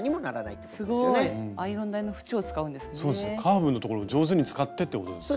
カーブのところを上手に使ってってことですよね。